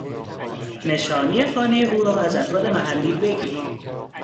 نشانی خانه او را از افراد محلی بگیر